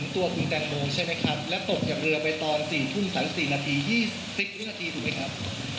ตัวคุณแตงโมใช่ไหมครับและตกจากเรือไปตอน๔ทุ่ม๓๔นาที๒๐วินาทีถูกไหมครับ